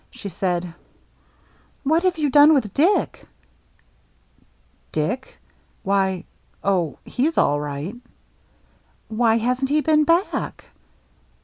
She said, " What have you done with Dick ?"« Dick ? Why — oh, he's all right." "Why hasn't he been back?"